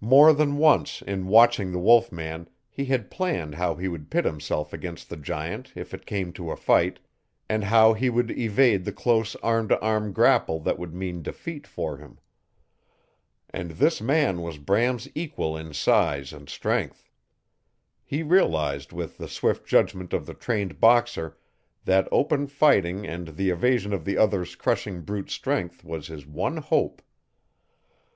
More than once in watching the wolf man he had planned how he would pit himself against the giant if it came to a fight, and how he would evade the close arm to arm grapple that would mean defeat for him. And this man was Bram's equal in size and strength. He realized with the swift judgment of the trained boxer that open fighting and the evasion of the other's crushing brute strength was his one hope.